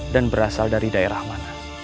dan berasal dari daerah mana